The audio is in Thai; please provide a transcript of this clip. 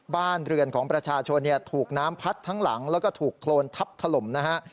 บ้านเรือนของประชาชนถูกน้ำพัดทั้งหลังแล้วก็ถูกโครนทับถล่มนะฮะ